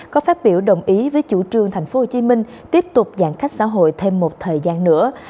có phát biểu đồng ý với chủ trương tp hcm tiếp tục giãn cách xã hội thêm một thời gian nữa